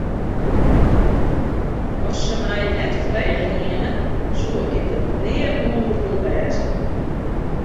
As se my net frege hiene, soe ik der nea oan begûn wêze.